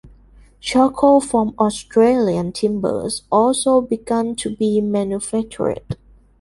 Charcoal from Australian timbers also began to be manufactured.